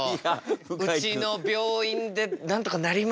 うちの病院でなんとかなりますかね？